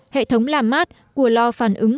hệ thống làm mát của lo phản ứng